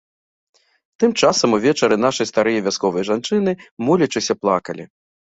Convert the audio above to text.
Тым часам увечары нашы старыя вясковыя жанчыны, молячыся, плакалі.